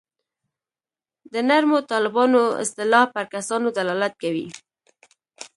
د نرمو طالبانو اصطلاح پر کسانو دلالت کوي.